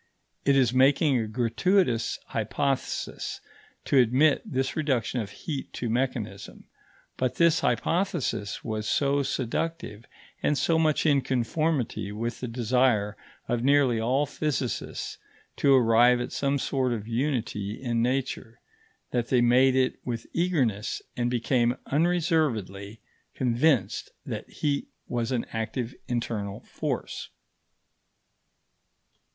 It is making a gratuitous hypothesis to admit this reduction of heat to mechanism; but this hypothesis was so seductive, and so much in conformity with the desire of nearly all physicists to arrive at some sort of unity in nature, that they made it with eagerness and became unreservedly convinced that heat was an active internal force.